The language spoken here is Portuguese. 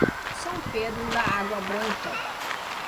São Pedro da Água Branca